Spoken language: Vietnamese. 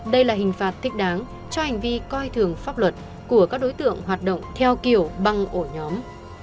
đây là hình phạt thích đáng cho hành vi coi thường pháp luật của các đối tượng hoạt động theo kiểu băng ổ nhóm